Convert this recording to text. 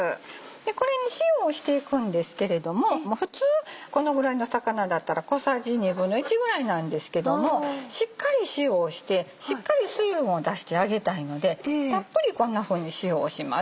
これに塩をしていくんですけれども普通このぐらいの魚だったら小さじ１／２ぐらいなんですけどもしっかり塩をしてしっかり水分を出してあげたいのでたっぷりこんなふうに塩をします。